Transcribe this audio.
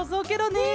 ねえ！